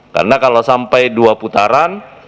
karena kalau sampai dua putaran